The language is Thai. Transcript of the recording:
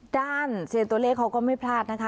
เซียนตัวเลขเขาก็ไม่พลาดนะคะ